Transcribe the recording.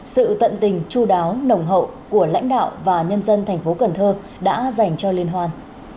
sự tận tình chú đáo nồng hậu của lãnh đạo và nhân dân thành phố cần thơ đã dành cho liên hoan